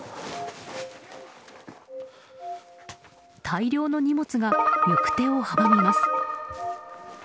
大量の荷物が行く手を阻みます。